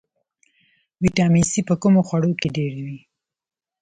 ویټامین سي په کومو خوړو کې ډیر وي